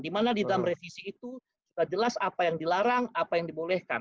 dimana di dalam revisi itu sudah jelas apa yang dilarang apa yang dibolehkan